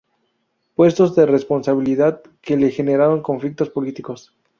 Puestos de responsabilidad que le generaron conflictos políticos.